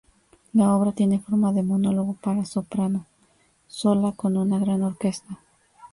La obra tiene forma de monólogo para soprano sola con una gran orquesta.